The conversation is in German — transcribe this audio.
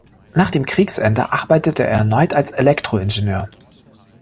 Nach dem Kriegsende arbeitete er erneut als Elektroingenieur.